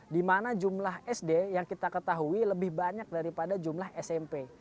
di mana jumlah sd yang kita ketahui lebih banyak daripada jumlah smp